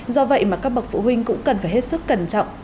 do vậy mà các bậc phụ huynh cũng cần phải hết sức cẩn trọng